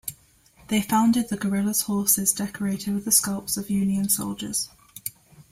They found the guerrillas' horses decorated with the scalps of Union soldiers.